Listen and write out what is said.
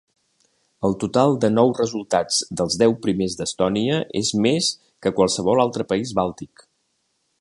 El total de nou resultats dels deu primers d'Estònia és més que qualsevol altre país bàltic.